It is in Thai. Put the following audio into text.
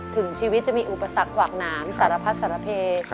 ถึงชีวิตจะมีอุปศักดิ์หวักหนาสารพัฒน์สารเพศ